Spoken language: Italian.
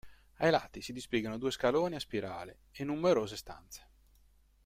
Ai lati si dispiegano due scaloni a spirale e numerose stanze.